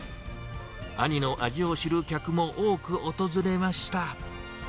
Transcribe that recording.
兄の味を知る客も多く訪れました。